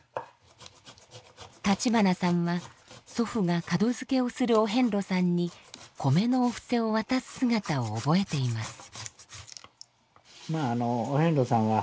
橘さんは祖父が門づけをするお遍路さんに米のお布施を渡す姿を覚えています。